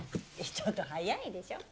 ちょっと早いでしょ。